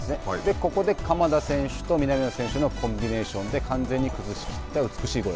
ここで鎌田選手と南野選手のコンビネーションで完全に崩しきりました。